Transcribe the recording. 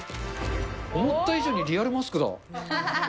思った以上にリアルマスクだ。